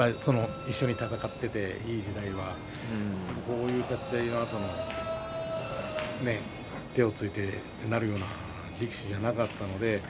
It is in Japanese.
一緒に戦っていた時、いい時代はこういう立ち合い手をついてなるような力士ではなかったです。